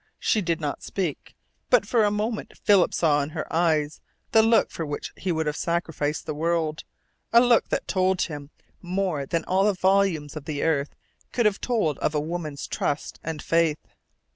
She did not speak, but for a moment Philip saw in her eyes the look for which he would have sacrificed the world; a look that told him more than all the volumes of the earth could have told of a woman's trust and faith.